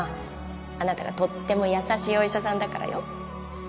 あなたがとっても優しいお医者さんだからよ